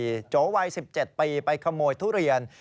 โจวัย๑๗ปีไปขโมยทุเรียน